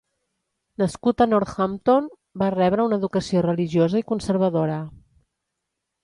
Nascut a Northampton, va rebre una educació religiosa i conservadora.